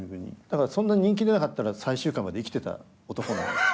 だからそんな人気出なかったら最終回まで生きてた男なんです。